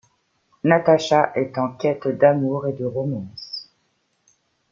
Natascha est en quête d’amour et de romance.